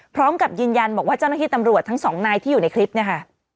พร้อมกับยืนยันบอกว่าเจ้าหน้าที่ตำรวจทั้งสองนายที่อยู่ในคลิปเนี่ยค่ะ